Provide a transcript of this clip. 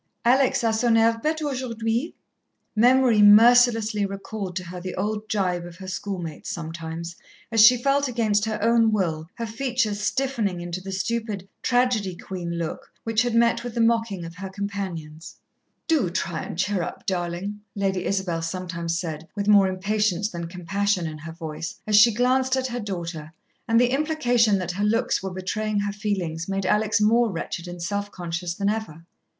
"Alex a son air bête aujourd'hui." Memory mercilessly recalled to her the old gibe of her schoolmates sometimes, as she felt, against her own will, her features stiffening into the stupid "tragedy queen" look which had met with the mocking of her companions. "Do try and cheer up, darlin'," Lady Isabel sometimes said, with more impatience than compassion in her voice, as she glanced at her daughter; and the implication that her looks were betraying her feelings made Alex more wretched and self conscious than ever.